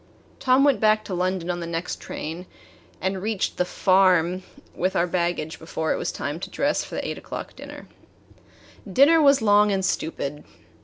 Tom went back to London on the next train, and reached the "farm" with our baggage before it was time to dress for the eight o'clock dinner. The dinner was long and stupid.